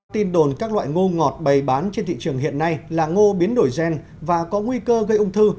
tin đồn các loại ngô ngọt bày bán trên thị trường hiện nay là ngô biến đổi gen và có nguy cơ gây ung thư